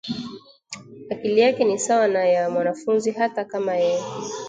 Akili yake ni sawa na ya mwanafunzi hata kama yeye